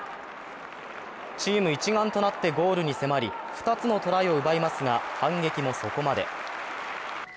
チーム一丸となってゴールに迫り２つのトライを奪いますが反撃もそこまで。